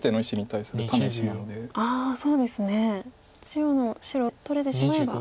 中央の白取れてしまえば。